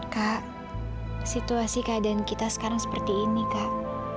kak situasi keadaan kita sekarang seperti ini kak